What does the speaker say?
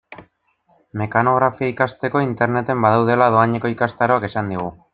Mekanografia ikasteko Interneten badaudela doaneko ikastaroak esan digu.